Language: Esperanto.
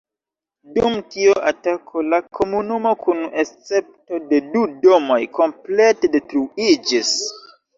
Dum tio atako la komunumo kun escepto de du domoj komplete detruiĝis.